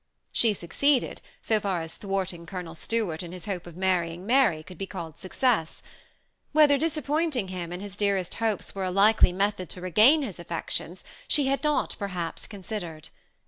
She succeeded so far as thwarting Colonel Stuart, in his hope of marrying Mary, could be called success. Whether disappointing him in his dearest hopes were a likely method to regain his affections, she had not per haps considered.